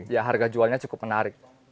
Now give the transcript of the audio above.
ya harga jualnya cukup menarik